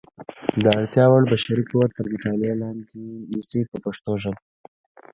د اړتیا وړ بشري قوت تر مطالعې لاندې نیسي په پښتو ژبه.